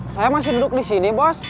saya masih duduk disini bos